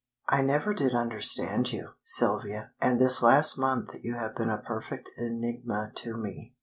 "I never did understand you, Sylvia; and this last month you have been a perfect enigma to me."